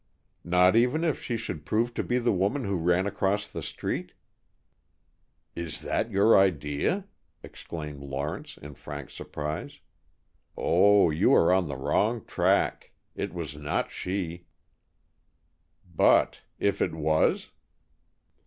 "Not even if she should prove to be the woman who ran across the street?" "Is that your idea?" exclaimed Lawrence, in frank surprise. "Oh, you are on the wrong track. It was not she." "But if it was?"